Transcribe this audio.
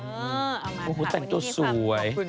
เออเอามาผัดบุคคลิปั๊บขอบคุณมากดี